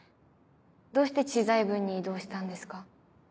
どうして知財部に異動したんですか？